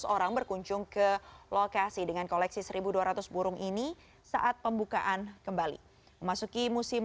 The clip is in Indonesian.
seratus orang berkunjung ke lokasi dengan koleksi seribu dua ratus burung ini saat pembukaan kembali memasuki musim